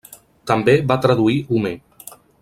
També va traduir Homer.